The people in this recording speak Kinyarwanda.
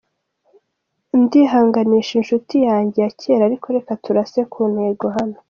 Ndihanganisha inshuti yanjye ya kera, ariko reka turase ku ntego hano.